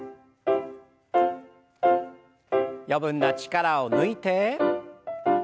余分な力を抜いて。